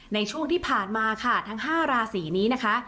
ในช่วงที่ผ่านมาค่ะทั้ง๕ราศีนี้นะคะ